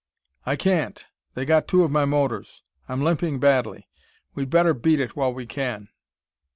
"I can't! They got two of my motors. I'm limping badly. We'd better beat it while we can."